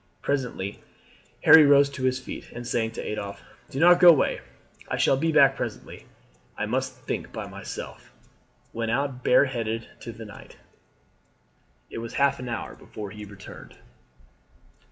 Presently Harry rose to his feet, and saying to Adolphe, "Do not go away, I shall be back presently, I must think by myself," went out bareheaded into the night. It was half an hour before he returned.